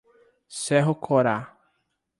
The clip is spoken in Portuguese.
Cerro Corá